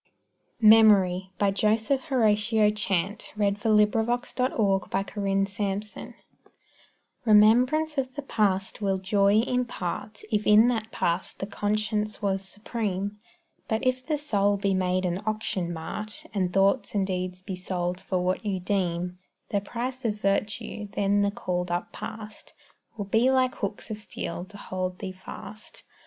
will pour The needed grace to bear the more, To day and on the morrow. MEMORY Remembrance of the past will joy impart If in that past the conscience was supreme; But if the soul be made an auction mart, And thoughts and deeds be sold for what you deem The price of virtue, then the called up past Will be like hooks of steel to hold thee fast.